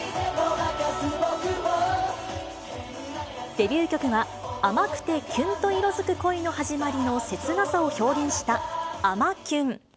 デビュー曲は、甘くてキュンと色づく恋の始まりの切なさを表現したあまキュン。